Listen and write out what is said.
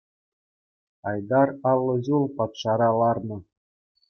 Айтар аллӑ ҫул патшара ларнӑ.